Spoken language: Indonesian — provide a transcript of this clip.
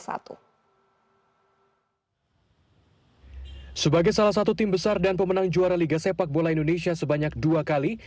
sebagai salah satu tim besar dan pemenang juara liga sepak bola indonesia sebanyak dua kali